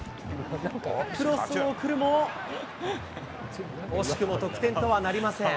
クロスを送るも、惜しくも得点とはなりません。